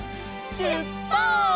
しゅっぱつ！